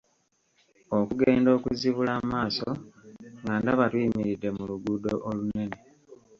Okugenda okuzibula amaaso nga ndaba tuyimiridde mu luguudo olunene.